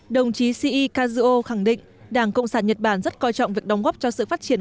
đồng chí c e casio khẳng định đảng cộng sản nhật bản rất coi trọng việc đóng góp cho sự phát triển